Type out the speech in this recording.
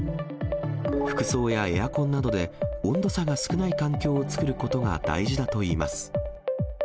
服装やエアコンなどで温度差が少ない環境を作ることが大事だといいます。